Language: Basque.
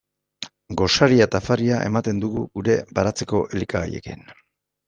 Gosaria eta afaria ematen dugu gure baratzeko elikagaiekin.